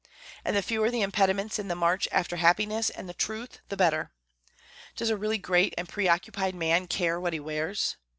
And the fewer the impediments in the march after happiness and truth the better. Does a really great and preoccupied man care what he wears?